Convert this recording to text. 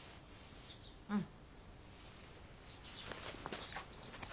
うん。